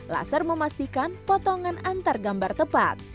laser memastikan potongan antar gambar tepat